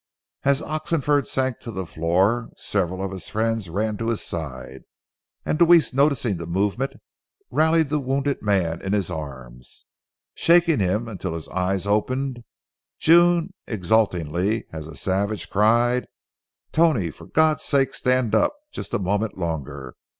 As Oxenford sank to the floor, several of his friends ran to his side, and Deweese, noticing the movement, rallied the wounded man in his arms. Shaking him until his eyes opened, June, exultingly as a savage, cried, "Tony, for God's sake stand up just a moment longer.